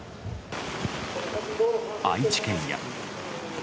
愛知県や。